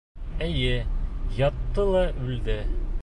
Эйе, ятты ла үлде.